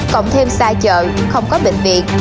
cộng thêm xa chợ không có bệnh viện